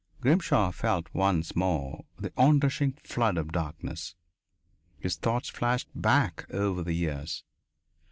Grimshaw felt once more the on rushing flood of darkness. His thoughts flashed back over the years.